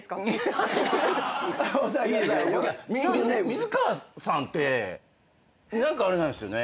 水川さんって何かあれなんですよね。